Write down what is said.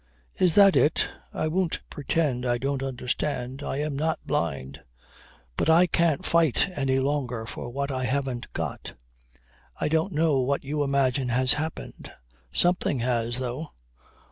Is that it? I won't pretend I don't understand. I am not blind. But I can't fight any longer for what I haven't got. I don't know what you imagine has happened. Something has though.